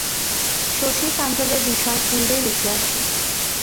শশী সাণ্ডেলের বিষয় পূর্বেই লিখিয়াছি।